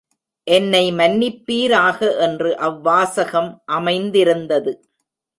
என்னை மன்னிப்பீராக என்று அவ் வாசகம் அமைந்திருந்தது.